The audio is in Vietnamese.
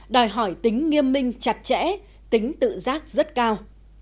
đòi hỏi tính nghiêm minh chặt chẽ tính tự giác rất cao